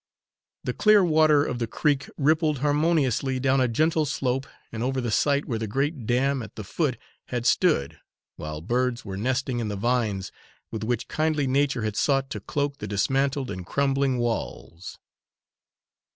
The clear water of the creek rippled harmoniously down a gentle slope and over the site where the great dam at the foot had stood, while birds were nesting in the vines with which kindly nature had sought to cloak the dismantled and crumbling walls.